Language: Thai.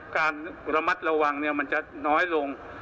การระมัดระวังมันจะน้อยลง